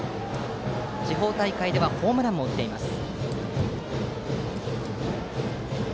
地方大会ではホームランも打っています。